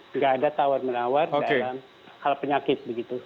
nggak ada tawar menawar dalam hal penyakit begitu